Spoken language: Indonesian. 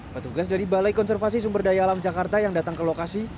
petugas dari balai konservasi sumber daya alam jakarta yang datang ke lokasi